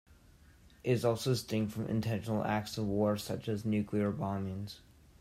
It is also distinct from intentional acts of war such as nuclear bombings.